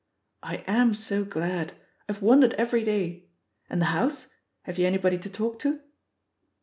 I am so glad; IVe wondered every day. And the house — have you anybody to talk to?"